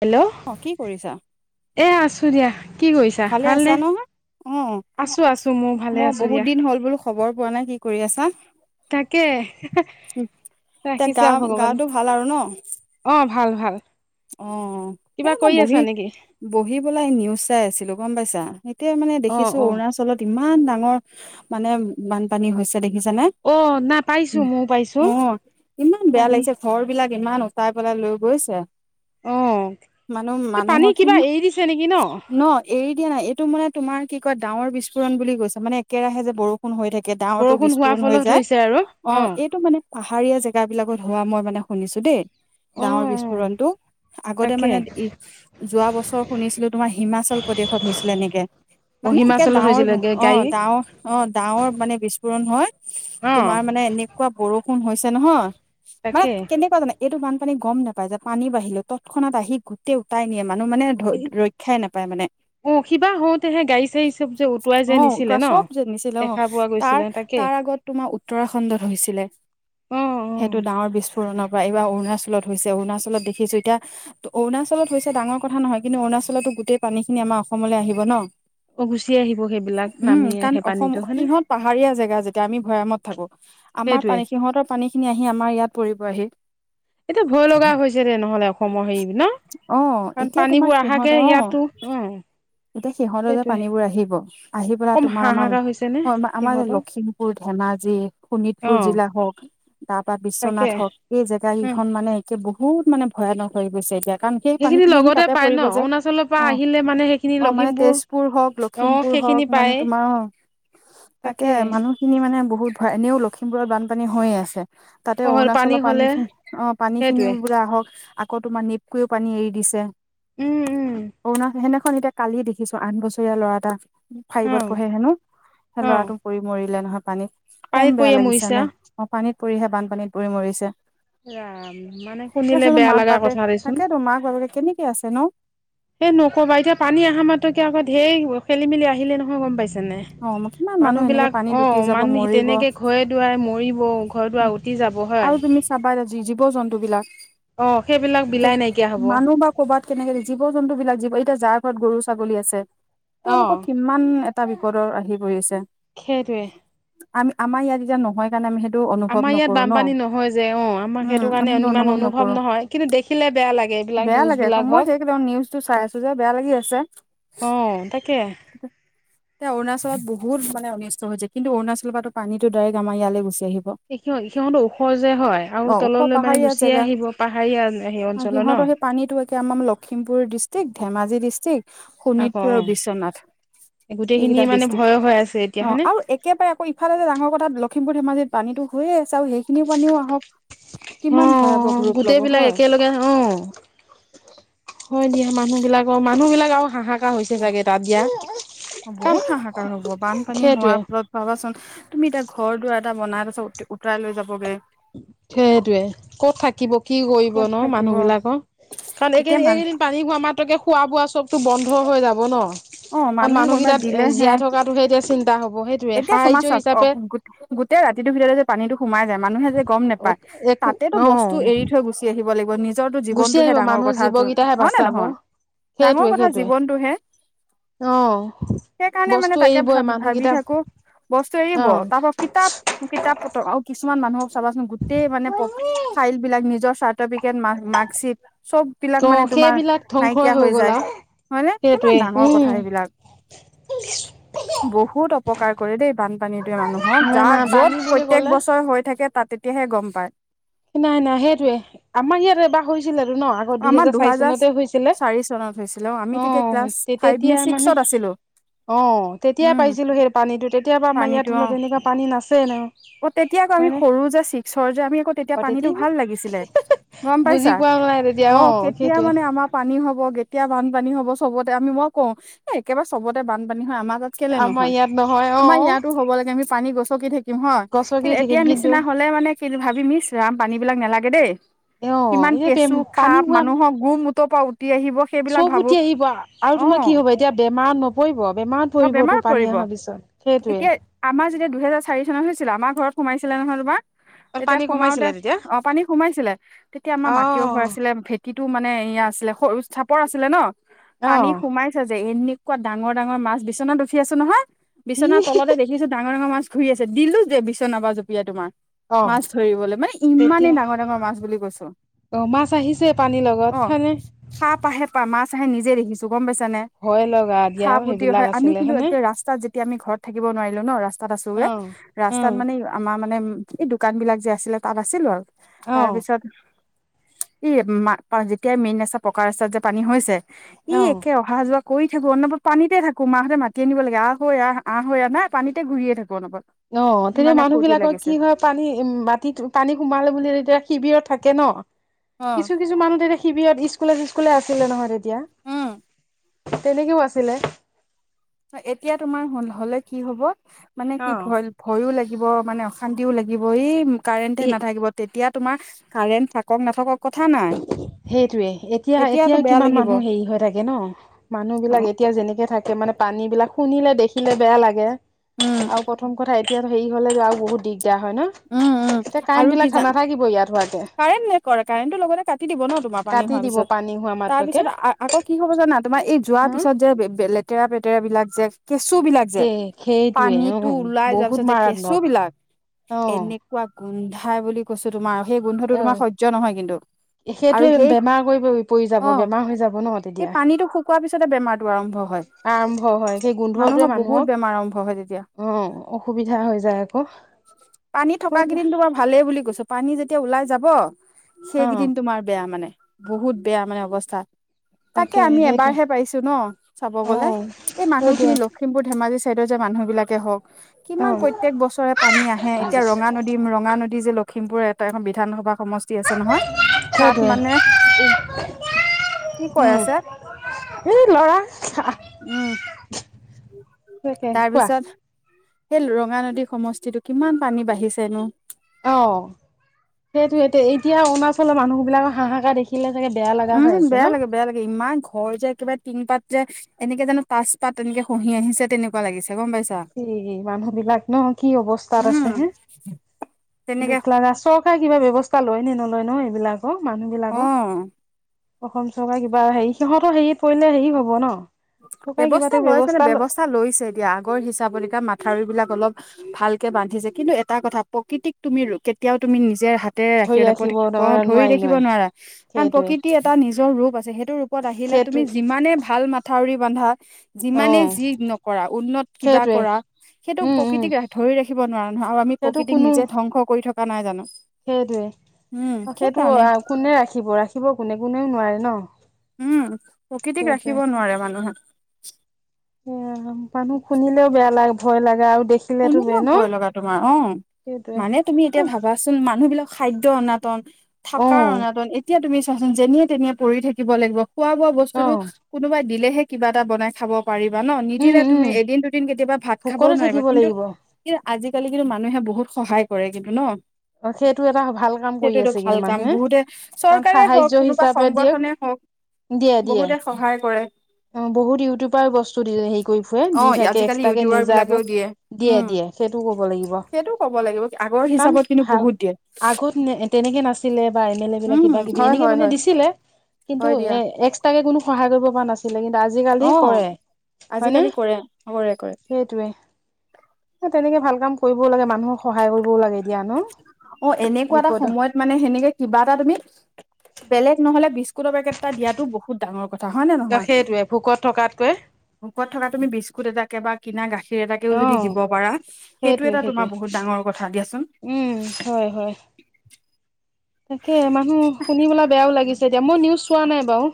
Hello অ, কি কৰিছা? এ আছোঁ দিয়া। কি কৰিছা ভালে আছা ভালনে নহয় অ আছো আছো মোৰ ভালে মই আছো বহুত দিয়া দিন হ'ল বোলো খবৰ পোৱা নাই কি কৰি আছা। থাকে [unintelligible] এতিয়া গা গাটো ভাল আৰু ন? অ ভাল ভাল। অ এ কিবা মই কৰি বহি আছা নেকি বহি বলাই নিউজ চাই আছিলো গম পাইছা, এতিয়া মানে অ দেখিছো অ অৰুণাচলত ইমান ডাঙৰ মানে বানপানী হৈছে দেখিছানে। অ নাই পাইছো ময়ো পাইছো অ ইমানমান বেয়া পানী লাগিছে ঘৰ বিলাক ইমান উটোৱাই পেলাই লৈ গৈছে। অ মানুহ এই পানী মানুহৰ কিবা কিমান এৰি দিছে নেকি [unintelligible] ন এৰি দিয়া নাই এইটো মানে তোমাৰ কি কয় ডাৱৰ বিস্ফোৰণ বুলি কৈছে, মানে একেৰাহে যে বৰষুণ হৈ থাকে। ডাৱৰটো বৰষুণ হোৱাৰ বিস্ফোৰণ হৈ ফলত যায়, হৈছে আৰু অ এইটো মানে পাহাৰীয়া জেগাবিলাকত হোৱা মই মানে শুনিছো দেই, অ অ ডাৱৰ বিস্ফোৰণটো। আগতে তাকে মানে ই যোৱা বছৰ শুনিছিলো তোমাৰ হিমাচল প্ৰদেশত হৈছিলে এনেকে। অ মানে এতিয়া হিমাচলত ডাৱৰ হৈছিলেগে অ গাড়ী ডাৱৰ অ ডাৱৰ মানে বিস্ফোৰণ হয়, অ তোমাৰ মানে এনেকুৱা বৰষুণ হৈছে নহয়। মানে তাকে কেনেকুৱা জানো, এইটো বানপানী গম নাপাই পানী বাহি তৎক্ষণাত আহি গোটেই উটাই নিয়ে মানুহ মানে ৰক্ষাই নাপায় মানে। অ কিবা হওঁতেহে গাড়ী চাড়ী চব যে উটুৱাই যে অ নিছিলে উতুৱাই ন চব নিছিলে অ, দেখা পোৱা তাৰ গৈছিলে তাকে তাৰ আগত তোমাৰ উত্তৰাখণ্ডত হৈছিলে। অ অ সেইটো ডাৱৰ বিস্ফোৰণৰ পৰা এইবাৰ অৰুণাচলত হৈছে, অৰুণাচলত দেখিছোঁ এতিয়া অৰুণাচলত হৈছে ডাঙৰ কথা নহয়, কিন্তু অৰুণাচলৰতো গোটেই পানী খিনি আমাৰ অসমলৈ আহিব ন। অ গুচি আহিব। সেইবিলাক উম নামি কাৰণ আহে অসম পানীটো হয়নে সিহঁতৰ পাহাৰীয়া জেগা যেতিয়া আমি ভৈয়ামত থাকো। আমাৰ সেইটোৱে পানী, সিহঁতৰ পানী খিনি আহি আমাৰ ইয়াত পৰিবহি। এইটো ভয় লগা হৈছে দে, নহ'লে অসমৰ হেৰি ন, অ', কাৰণ এতিয়া তোমাৰ পানীবোৰ সিহঁত অহাকে অ', ইয়াতো, উম এতিয়া সিহঁতে যে পানীবোৰ আহিব, আহি পেলাই কম তোমাৰ আমাৰ, হাহাকাৰ হৈছে নে আমাৰ সিহঁতৰ লখি পুৰ, ধেমাজি, অ শোণিতপুৰ জিলা হওক তাৰ পৰা তাকে বিশ্বনাথ হওক এই উম কেইখন মানে বহুত মানে এতিয়া ভয়ানক হৈ গৈছে এতিয়া। কাৰণ সেই সেইখিনি পানীখিনি আহি লগতে তাতে পায় ন পৰিব যে। অৰুণাচলৰ পৰা অ আহিলে মানে সেইখিনি অ মানে লখিমপুৰ তেজপুৰ হওক ল অ লখিমপুৰ সেইখিনি হওক পায় মানে তোমাৰ অ তাকে। মানুহখিনি মানে বহুত ভয়, এনেও লখিমপুৰত বানপানী হৈয়ে আছে। তাতে অ পানী অৰুণাচলৰ হলে পানীখিনি অ পানীখিনিও সেইটোৱে বোলে আহক, আকৌ তোমাৰ নেপকৈও পানী এৰি দিছে উম উম [unintelligible] সেইদিখন এতিয়া কালি দেখিছো আঠ বছৰীয়া ল'ৰা এটা অ ফাইবত পঢ়ে হেনো সেই অ ল'ৰাটো পৰি মৰিলে নহয় পানীত। কম পানীত বেয়া পৰিয়ে লাগিছে মৰিছা নে, পানীত পৰিহে বানপানীত পৰি মৰিছে। ৰাম! মানে শুনিলে বেয়া লগা কথা দেচোন। তাৰ মাক বাপেক কেনেকৈ আছে ন। এই নকবা এতিয়া পানী অহা মাত্ৰকে আমাৰ ধেৰ খেলি-মেলি আহিলে নহয় গম পাইছে নে অ নাই। কিমান মানুহ এনেকে মানুহবিলাক পানীত অ উটি যাব মান মৰিব তেনেকৈ ঘৰে-দূৱাৰে মৰিব, ঘৰ দুৱাৰ উতি তি যাব, হয়। তাৰপা জী-জীৱ জন্তু বিলাক, অঁ সেইবিলাক তে বিলাই নাইকিয়া হ'ব মানুহ বা ক'ৰবাত কেনেবাকৈ, জীৱ জন্তুবিলাক এতিয়া যাৰ ঘৰত গৰু-ছাগলী আছে অঁ তেওঁলোকৰ কিমান এটা বিপদৰ আহি পৰিছে। সেইটোৱে আমা আমাৰ ইয়াত এতিয়া নহয় সেইকাৰণে আমি সেইটো অনুভৱ আমাৰ ইয়াত নকৰো ন, বানপানী নহয় যে অঁ আমাৰ উম আমি কাৰণে সেইটো ইমান অনুভৱ নকৰো। নহয় কিন্তু দেখিলে বেয়া লাগে এইবিলাক বেয়া লাগে আক' নিউজবিলাক মই হওক সেইকেইটা নিউজটো চাই আছো যে বেয়া লাগি আছে। অ তাকে। এতিয়া অৰুণাচলত বহুত মানে অনিষ্ট হৈছে কিন্তু অৰুণাচলৰ পৰাটো পানীটো ডাইৰেক্ট আমাৰ ইয়ালৈ গুচি আহিব। সিহঁতৰ ওখ যে হয় আৰু অ ওখ তললৈ পাহাৰীয়া গুচিয়ে জেগা আহিব, পাহাৰীয়া হেৰি অঞ্চলৰ যে ন। এতিয়া আমাৰ লখিমপুৰ ডিষ্ট্ৰিক্ট, ধেমাজি ডিষ্ট্ৰিক, আকৌ শোণিতপুৰ আৰু বিশ্বনাথ। অঁ গোটেইখিনি এইকেইটা মানে ডিষ্ট্ৰিক। ভয় হৈ আছে এতিয়া অ হয়নে আৰু একেবাৰে আকৌ ইফাল যে ডাঙৰ কথা লখিমপুৰ ধেমাজিত পানীটো হৈ আছে আৰু সেই খিনি পানীও আহক কিমান ভয়াৱক অ', ৰূপ গোটেই ল'ব বিলাক হয়। অ একেলগে হয় দিয়া মানুহ বিলাকৰ মানুহ বিলাক আৰু হাহা কাৰ হৈছে চাগে তাত দিয়া অ বহুত কাৰণ হাহাকাৰ হ'ব বানপানী সেইটোৱে হোৱাৰ ফলত ভাবাচোন তুমি এতিয়া ঘৰ দুৱাৰ এটা বনাই পাছত উতৰাই লৈ যাবগে। সেইটোয়ে কত থাকিব কি কৰিব ক'ত ন থাকিব মানুহ বিলাকৰ কাৰণ এইকেই এতিয়া দিন মানুহ এইকেইদিন পানী হোৱা মাত্ৰকে খোৱা বোৱা চবতো বন্ধ হৈ যাব ন অ কাৰণ মানুহে কোনোবা মানুহকেইটাত দিলেহে জীয়াই থকাটোহে এতিয়া চিন্তা হব সেইটোয়ে এতিয়া চুমা সাহাৰ্য চাওক অ হিচাপে গোটেই ৰাতিটোৰ ভিতৰতে যে পানীটো সোমাই যায় মানুহে যে গম নোপায় একো তাতেটো বস্তু অ', এৰি থৈ গু চি আহিব লাগিব নিজৰটো গুচি জীৱনটোহে আহিব ডাঙৰ মানুহ কথা জীৱকেইটাহে হয় নে বাচাব নহয় ডাঙৰ সেইটোৱে কথা সেইটোৱে জীৱনটোহে অ', সেইকাৰণে মানে বস্তু তাকে এৰিবই ভাবি ভাবি মানুহকেইটা থা বস্তু এৰিব অ', তাৰ পৰা কিতাপ কিতাপ পত্ৰ আৰু কিছুমান মানুহৰ চাবাচোন গোটেই মানে ফাইল বিলাক নিজৰ চাৰ্টিফিকেট মাৰ্কশিট চব বিলাক অ মানে তোমাৰ সেইবিলাক নাই ধ্বংসই কিয়া হৈ গ'ল যায় আৰু হয় নে কিমান সেইটোৱে ডাঙৰ কথা উম সেইবিলাক [unintelligible] বহুত অপকাৰ কৰে দেই বানপানীটোৱে মানুহক নাই নাই যাৰ পানী য'ত বুলি প্ৰত্যেক ক'লে বছৰ হৈ থাকে তাত তেতিয়াহে গম পায়। নাই নাই সেইটোয়ে আমাৰ ইয়াত এবাৰ হৈ ছিলে ন আগত আমাৰ দুহেজাৰ চাৰি দুহাজাৰ চনতে হৈছিলে চাৰি চনত হৈছিলে আমি অ। তেতিয়া ক্লাছ তে ফাইভ নে তেতিয়া মানে ছিক্সত আছিলো অ তেতিয়াই উম পাইছিলো সেই পানীটো তেতিয়া পৰা আমাৰ ইয়াত পানীটো অ হল পানী নাছে ন অ তেতিয়া আকৌ আমি হয়নে সৰু যে ছিক্সৰ যে আমি আকৌ অ তেতিয়া পানীটো ইমান ভাল লাগিছিলে গম বুজি পাইছা পোৱা নাই তেতিয়া অ তেতিয়া সেইটোৱে মানে আমাৰ পানী হব কেতিয়া বানপানী হব চবতে আমি মই কওঁ এ একেবাৰে চবতে বানপানী হয় আমাৰ তাত কেলে আমাৰ নহয় ইয়াত নহয় অ আমাৰ ইয়াতো হ'ব লাগে আমি পানী গছকি থাকি ম হয় গছকি কিন্তু থাকিম এতিয়া কিন্তু নিচিনা হলে মানে কি ভাবিম ইছ ৰাম পানী বিলাক নেলাগে দেই। অ কিমান সেইটোৱে কেঁচু সাপ মানুহৰ গু মুটৰ পৰা উঠি আহিব সেইবিলাক চব ভাবো উঠি আহিব আৰু অ তোমাৰ কি হব এতিয়া বেমাৰত নপৰিব বেমাৰত অ পৰিব বেমাৰ তোৰ পানী পৰিব অহাৰ পিছত। সেইটোৱে এতিয়া আমাৰ যেতিয়া দুহেজাৰ চাৰি চনত হৈছিল আমাৰ ঘৰত সোমাইছিলে নহয় তোমাৰ অ তেতিয়া পানী সোমাওতে কমাইছিলে তেতিয়া অ পানী সোমাইছিলে তেতিয়া আমাৰ মাটিও ঘৰ অহ আছি লে ভেটিটো মানে এয়া আছিলে সৰু চাপৰ আছিলে ন পানী অহ সোমাইছে যে এ নেকুৱা ডাঙৰ ডাঙৰ মাছ বিছনাত উঠি আছো নহয় বিচনাৰ ই তলতে দে খিছো ডাঙৰ ডাঙৰ মাছ ঘূৰি আছে দিলো দে বিছনাৰ পৰা জপিয়াই তোমাৰ অহ মাছ ধৰিবলৈ মানে ইমানেই তেতিয়া ডাঙৰ ডাঙৰ মাছ বুলি কৈছো। অ মাছ আহিছে পানী ল অ, সাপ আহে পাহ মাছ আহে নিজে দেখিছো গম পাইছানে? ভয় লগা দিয়া সাপ পুতি অ হে, সেইবিলাক আমি আছিলে কিন্তু হয়নে একে ৰাস্তাত যেতিয়া আমি ঘৰত থাকিব নোৱাৰিলো ন ৰাস্তাত আছোগে। অহ ৰাস্তাত উম মানে এই আমাৰ মানে এই দোকানবিলাক যে আছিলে তাত আছিলো আৰু অহ তাৰপিছত ইয়াত মা পাও যেতিয়া মেইন ৰাস্তা পকা ৰাস্তাত যে পানী হৈছে ই অহ একে অহা যোৱা কৰি থাকোঁ অনবৰত পানীতেই থাকো, মাহঁতে মাতি আনিব লাগে আহ ঐ আহ আহ ঐ আহ না পানীতে ঘুৰিয়ে থাকো অনবৰত, অহ তেতিয়া ইমানে মানুহ ফূৰ্তি বিলাকৰ লাগিছে। কি হয় পানী উম মাটিত পানী সোমালে বুলি তেতিয়া শিবিৰত থাকে ন, অ কিছু কিছু মানুহ তেতিয়া শিবিৰত স্কুলে চিস্কুলে আছিলে নহয় তেতিয়া উম তেনেকেও আছিলে। এ এতিয়া তোমাৰ হল হলে কি হব মানে কি অ ভয়ল ভয়ো লাগিব মানে অশান্তিও লাগিব এই কাৰেণ্টে এ নাথাকিব তেতিয়া তোমাৰ কাৰেণ্ট থাকক নাথাকক কথা নাই সেইটোয়ে এতিয়া এতিয়া এতিয়াতো বেয়া কিমান লাগিব অ মানুহ হেৰি হৈ থাকে ন মানুহবিলাক এ তিয়া যেনেকে থাকে মানে পানীবিলাক শুনিলে দেখিলে বেয়া লাগে উম আৰু পথ প্ৰথম কথা এতিয়া হেৰি হ'লেগৈ আৰু বহুত দিগদাৰ হয় ন? উম উম আৰু কিজা গিব ইয়াৰ ধুৱাতে। কাৰেণ্ট নাই পোৱা, কাৰেণ্টটো লগতে কাটি দিব ন তোমাৰ পানী কাটি হোৱাৰ দিব পিছত পানী হোৱা মাত্ৰকে তাৰপিছত আ আকৌ কি হ'ব জানা তোমাৰ এই যোৱাৰ হা পিছত যে বে বে লেতেৰা - পেতেৰাবিলাক যে কেঁচুবিলাক যে কে সেইটোৱে অ পানীটো ওলাই যোৱাৰ বহুত পিছত যে মাৰাত্মক কেঁচুবিলাক অ এনেকুৱা গোন্ধাই বুলি কৈছো তোমাৰ সেই অ গোন্ধটো তোমাৰ সহ্য নহয় কিন্তু। আৰু সেইটোৱে বে সেই বেমাৰ কৰি কৰি পৰি যাব অ বেমাৰ হৈ যাব ন এই তেতিয়া। পানীটো শুকোৱাৰ পিছতে বেমাৰটো আৰম্ভ হয় আৰম্ভ হয় সেই গোন্ধটোৱে মানুহৰ বহুত বেমাৰ আৰম্ভ হয় তেতিয়া মানুহক অহ, অসুবিধা হৈ যায় আকৌ। পানী থকা হয় দিয়া কেইদিন তোমাৰ ভালে বুলি কৈছো পানী যেতিয়া ওলাই যাব অ সেইকেইদিন তোমাৰ বেয়া মানে। বহুত বেয়া মানে অৱস্থা। তাকে আমি এবাৰহে পাইছো ন চাব গলে, অ', এই সেইটোৱে মানুহখিনি ল খিমপুৰ, ধেমাজি চাইদৰ যে মানুহবিলাকে হক কিমান অ', প্ৰত্যেক বছৰে পানী আহে এতিয়া ৰঙা নদ [unintelligible] ৰঙা নদী যে লখিমপুৰৰ এটা এখন বিধানসভা সমষ যি আছে নহয় তাত সেইটোৱে মানে এই কি কয় আছে? উ লৰা [unintelligible] উম তাকে তাৰ কোৱা? পিছত সেই ৰঙা নদী সমষ্টিতো কিমান পানী বাঢ়িছে নো? অ সেইটোৱে এতিয়া এতিয়া অৰুণাচলৰ মানুহবিলাকৰ হাহাকাৰ দেখিলে চাগে বেয়া লা উম বেয়া লাগে বেয়া লাগে ইমান ঘৰ যে কিবা তিনি পাত যে এনেকে জানো তাচ পাত এনেকে খহি আহিছে তেনেকুৱা লাগিছে গম পাইছা? [unintelligible] মানুহবিলাক ন কি অৱস্থাত উম আছে হে? তেনেকে দুখ লাগা, চৰকাৰে কিবা ব্যৱস্থা লয় নে নলয় ন এইবিলাকৰ মানুহবিলাকৰ? অ' অসম চৰকাৰে কিবা হেৰি সিহঁতো হেৰিত পৰিলে হেৰি হব ন। চৰকাৰে কিবা ব্যৱস্থা এটা লৈছে মানে ব্যৱস্থা লৈছে এতিয়া আগৰ হিচাপত এতিয়া মাথাউৰিবিলাক অলপ ভালকে বান্ধিছে কিন্তু এটা কথা প্ৰকৃতিক তুমি ৰ কেতিয়াও তুমি নিজে হাত ধৰি [unintelligible] ৰাখিব নোৱাৰি ধৰি ৰাখিব নোৱাৰি নোৱাৰা কাৰণ সেইটোৱে প্ৰকৃতিৰ এটা নিজৰ ৰূপ আছে সেইটো ৰূপ পত আহিলে তুমি সেইটো যিমানে ভাল মাথাউৰি বান্ধা যিমানে অ', যি নকৰা উন্নত কিবা সেইটোৱে কৰা সেইটো উম, উম। প্ৰকৃতিক ৰা ধৰি ৰাখিব নোৱাৰো নহয় আৰু আমি সেইটো প্ৰকৃতিক কোনো নিজে ধ্বংস কৰি থকা নাই জানো? সেইটোৱে উম তাকেটো সেইকাৰণে কোনে ৰাখিব ৰাখিব কোনে কোনেও নোৱাৰে ন। উম প্ৰকৃতিক সেইটোৱে ৰাখিব নোৱাৰে মানুহে। এয়া মানুহ শুনিলেও বেয়া লাগে ভয় লাগে আৰু দেখি শুনিলেও ভয় লগা তোমাৰ অ, সেইটোৱে মানে তুমি এতিয়া ভাবা চোন মানুহবিলাক খাদ্য অনাতন, অ থাকাৰ অনাতন এতিয়া তুমি চাচোন যেনিয়ে তেনিয়ে পৰি থাকিব লাগিব, খোৱা বোৱা অ বস্তুটো কোনোবাই দিলেহে কিবা এটা বনাই খাব পাৰিবা ন উম নিদিলে উম তুমি এদিন দুদিন কেতিয়াবা ভাত খাবও ভোকতে নোৱাৰিবা। থাকিব কিন্তু লাগিব। কিন্তু আজিকালি কিন্তু মানুহে বহুত সহায় কৰে কিন্তু ন? অ সেইটো এটা ভাল কাম কৰি সেইটো এইটো আছে ভাল কিন্তু কাম মানুহে, বহুতে কাৰণ চৰকাৰে হওক সাহাৰ্য্য কোনোবা হিচাপে দিয়ক সংগঠনে হওক দিয়ে দিয়ে। বহুতে সহায় কৰে। অ বহুত ইউটিউবাৰ বস্তু দি হেৰি কৰি ফুৰে অ দি থাকে আজিকালি এক্সট্ৰাকে ইউটিউবাৰ নিজাকৈ। বিলাকেও দিয়ে উম দিয়ে সেইটো ক'ব লাগিব, সেইটো ক'ব লাগিব আগৰ কাৰণ হিচাপত কিন্তু ভাল বহুত দিয়ে আগত এ তেনেকে নাছিলে বা এম এল এ বিলাকে উম কিবা কিবি হয় এনেকে হয় মানে হয় দিছিলে। কিন্তু হয় দিয়া এ এক্সট্ৰাকে কোনো সহায় কৰিব পৰা নাছি লে কিন্তু আজিকালি অ কৰে, হয়নে? আজিকালি কৰে কৰে কৰে সেইটোৱে, এ তেনেকে ভাল কাম কৰিবও লাগে মানুহ সহায় কৰিবও লাগে দিয়া ন, অ এনেকুৱা এটা বিপদত সময়ত মানে সেনেকে কিবা এটা তুমি বেলেগ নহলে বিস্কুটৰ পেকেট এটা দিয়াতো বহুত ডাঙৰ কথা হয় নে নহয়? সেইটোৱে ভোকত থকাতকৈ ভোকত থকা তুমি বিস্কুট এটাকে বা কিনা গাখীৰ এটাকেও অ যদি দিব পাৰা সেইটো সেইটোৱে এটা তোমাৰ সেইটোৱে বহুত ডাঙৰ কথা দিয়াচোন। উম হয় হয়। তাকে মানুহ শুনিপেলাই বেয়াও লাগিছে এতিয়া, মই নিউজ চোৱা নাই বাৰু।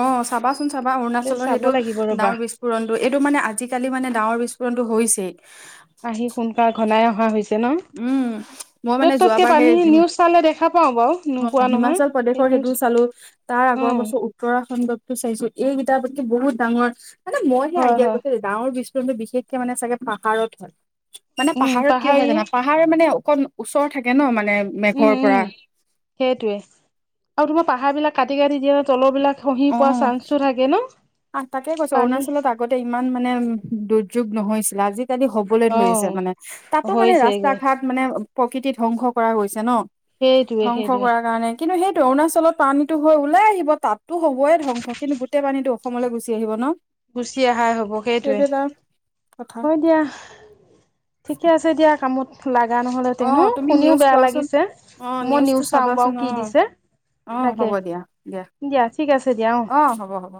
অ চাবাচোন চাবা অৰুণাচলৰ চাব সেইটো লাগিব ৰবা ডাৱৰ বিস্ফোৰণটো এইটো মানে আজিকালি মানে ডাঙৰ বিস্ফোৰণটো হৈছেই। আহি সোনকাল ঘনাই অহা হৈছে ন? উম মই য'ত মানে ততকে যোৱাবাৰ পানী সেই নিউজ চালে দেখা পাও বাৰু অ নোপোৱা নহয় হিমাচল সেই প্ৰদেশৰ নিউজ সেইটো চালো তাৰ আগৰ উম বছৰ উত্তৰাখণ্ডতো চাইছো এইগিতা বস্তু বহুত ডাঙৰ, মানে মই সেই হয় আইডিয়া হয় [unintelligible] ডাৱৰ বিস্ফোৰণতো বিশেষকে মানে চাগে পাহাৰত হয়, মানে উম পাহাৰত কিয় হয় পাহাৰীয়ে জানা? পাহাৰ মানে অকণ ওচৰ থাকে ন মানে উম মেঘৰ উম পৰা সেইটোৱে আৰু তোমাৰ পাহাৰ বিলাক কাটি কাটি দিয়ে তলৰবিলাক খহি অ পৰা চান্সটো থাকে আহ তাকে ন কৈছো পানী অৰুণাচলত আগতে ইমান মানে দুৰ্যোগ নহৈছিলে আজিকালি হ বলৈ অ ধৰিছে মানে, তাতো মানে ৰাস্তা হৈছেগৈ ঘাট মানে প্ৰকৃতি ধ্বংস কৰা গৈছে ন। সেইটোৱে ধ্বংস সেইটোৱে কৰাৰ কাৰণে কিন্তু সেইটো অৰুণাচলত পানীতো হৈ ওলাই আহিব তাত তো হ'বই ধ্বংস কিন্তু গোটেই পানীটো অসমলৈ গুচি আহিব ন। গুচি অহাই হব সেইটোৱে, সেইটো এটা কথা। হয় দিয়া। ঠিকে আছে দিয়া কামত লাগা অ নহলেতেনো তুমি শুনিও নিউজ বেয়া চোৱাচোন লাগিছে অ মই নিউজটো নিউজ চাও বাৰু চাবাচোন কি অ দিছে। অ তাকে হ'ব দিয়া দিয়া ঠিক আছে দিয়া অ। হ'ব হ'ব।